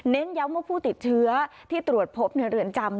ย้ำว่าผู้ติดเชื้อที่ตรวจพบในเรือนจำ